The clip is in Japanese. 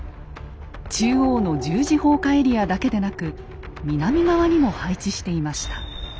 中央の十字砲火エリアだけでなく南側にも配置していました。